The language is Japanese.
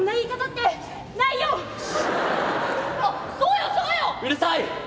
「うるさい！